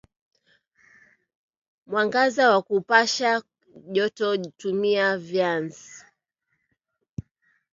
mwangaza na kupasha jototumia vyanz